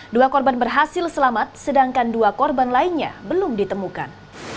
dua korban berhasil selamat sedangkan dua korban lainnya belum ditemukan